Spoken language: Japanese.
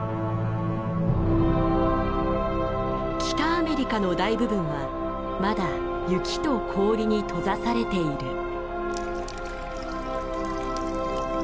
北アメリカの大部分はまだ雪と氷に閉ざされている。